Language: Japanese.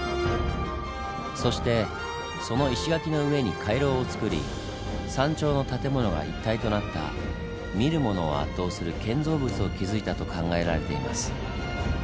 そしてその石垣の上に回廊をつくり山頂の建物が一体となった見る者を圧倒する建造物を築いたと考えられています。